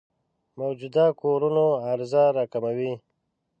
موجوده کورونو عرضه راکموي.